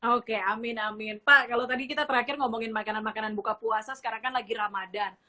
oke amin amin pak kalau tadi kita terakhir ngomongin makanan makanan buka puasa sekarang kan lagi ramadhan